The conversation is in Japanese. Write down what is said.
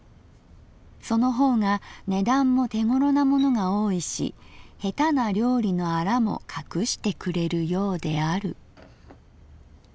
その方が値段も手ごろなものが多いし下手な料理のアラもかくしてくれるようである」。